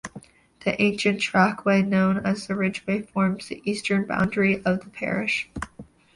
The ancient trackway known as the Ridgeway forms the eastern boundary of the parish.